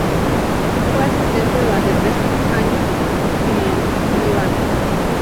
Fue asistente durante tres anos en Líbano, en Lyon y en París.